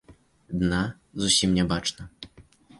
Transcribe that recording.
Дна зусім не бачна.